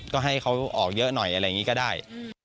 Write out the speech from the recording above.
ก็ให้เขาออกเยอะหน่อยอะไรอย่างนี้ก็ได้